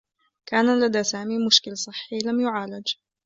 كان لدى سامي مشكل صحّي لم يُعالج.